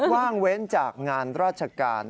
ว่างเว้นจากงานราชการ